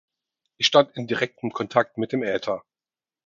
Ich stand in direktem Kontakt mit dem Äther.